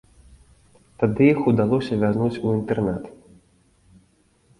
Тады іх удалося вярнуць ў інтэрнат.